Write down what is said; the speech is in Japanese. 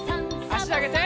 あしあげて。